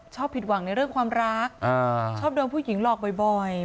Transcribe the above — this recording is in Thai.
ผิดหวังในเรื่องความรักชอบโดนผู้หญิงหลอกบ่อย